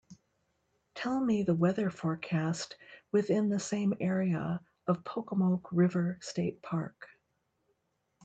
Tell me the weather forecast within the same area of Pocomoke River State Park